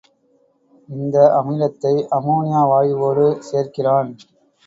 இந்த அமிலத்தை அம்மோனியா வாயுவோடு சேர்க்கிறான்.